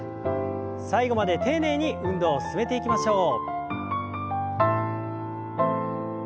最後まで丁寧に運動を進めていきましょう。